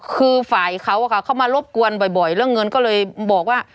คือฝ่ายเขาเข้ามารบกวนบ่อยเรื่องเงินก็เลยบอกว่า